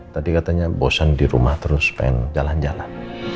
tadi katanya bosan di rumah terus pengen jalan jalan